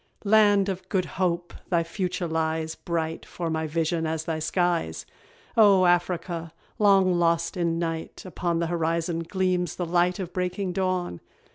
Land of "Good Hope!" thy future lies Bright 'fore my vision as thy skies! O Africa! long lost in night, Upon the horizon gleams the light Of breaking dawn.